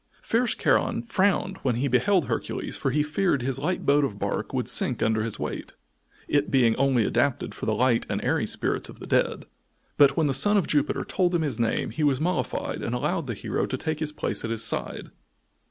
Fierce Charon frowned when he beheld Hercules for he feared his light boat of bark would sink under his weight, it being only adapted for the light and airy spirits of the dead; but when the son of Jupiter told him his name he was mollified and allowed the hero to take his place at his side.